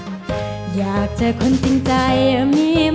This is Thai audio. ส่งยิ้มอีกนิดถ้าจะคิดจริงจังและขออีกอย่างต้องสดนะคะ